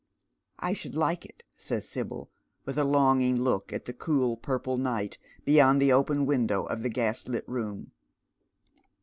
" I should like it," says Sibyl, with a longing look at the cool purple night beyond the open window of the gaslit room.